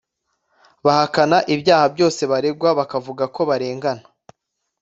bahakana ibyaha byose baregwa bakavuga ko barengana